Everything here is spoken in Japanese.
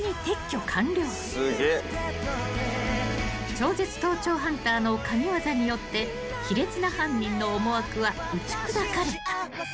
［超絶盗聴ハンターの神業によって卑劣な犯人の思惑は打ち砕かれた］